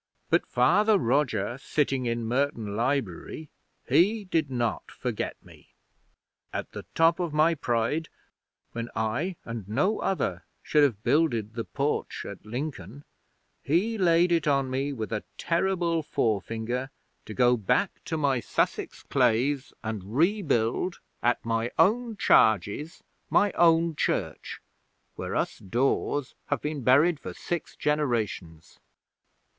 But Father Roger sitting in Merton Library, he did not forget me. At the top of my pride, when I and no other should have builded the porch at Lincoln, he laid it on me with a terrible forefinger to go back to my Sussex clays and rebuild, at my own charges, my own church, where us Dawes have been buried for six generations.